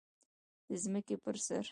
د ځمکې پر سر